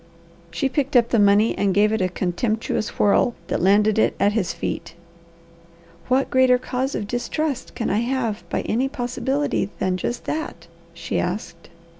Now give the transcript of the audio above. She picked up the money and gave it a contemptuous whirl that landed it at his feet. "What greater cause of distrust could I have by any possibility than just that?" she asked.